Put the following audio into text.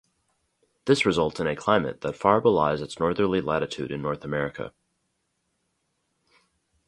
This results in a climate that far belies its northerly latitude in North America.